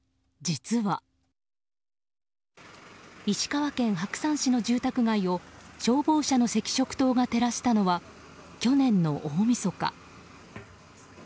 石川県白山市の住宅街を消防車の赤色灯が照らしたのは去年の大みそか。